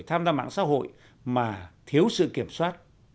tham gia mạng xã hội mà thiếu sự kiểm soát